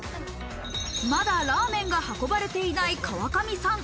まだラーメンが運ばれていない川上さん。